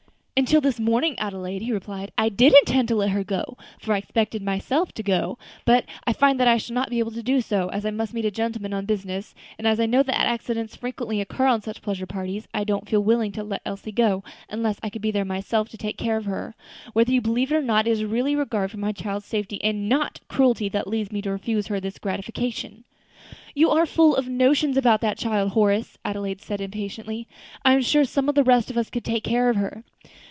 "Until this morning, Adelaide," he replied, "I did intend to let her go, for I expected to go myself; but I find I shall not be able to do so, as I must meet a gentleman on business; and as I know that accidents frequently occur to such pleasure parties, I don't feel willing to let Elsie go, unless I could be there myself to take care of her. Whether you believe it or not, it is really regard for my child's safety, and not cruelty, that leads me to refuse her this gratification." "You are full of notions about that child, Horace," said Adelaide, a little impatiently. "I'm sure some of the rest of us could take care of her."